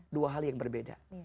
dua hal yang berbeda